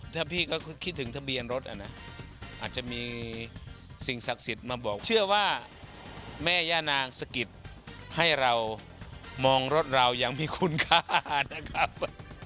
ถ้าพี่ก็คิดถึงทะเบียนรถอ่ะนะอาจจะมีสิ่งศักดิ์สิทธิ์มาบอกเชื่อว่าแม่ย่านางสะกิดให้เรามองรถเรายังมีคุณค่านะครับ